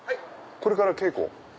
これから稽古？